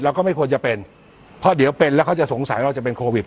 ก็ไม่ควรจะเป็นเพราะเดี๋ยวเป็นแล้วเขาจะสงสัยเราจะเป็นโควิด